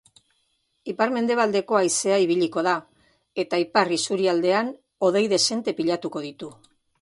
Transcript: Ipar-mendebaldeko haizea ibiliko da eta ipar isurialdean hodei dezente pilatuko ditu.